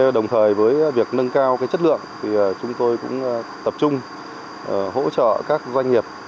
đồng thời với việc nâng cao chất lượng thì chúng tôi cũng tập trung hỗ trợ các doanh nghiệp